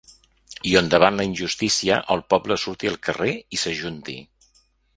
I on davant la injustícia el poble surti al carrer i s’ajunti.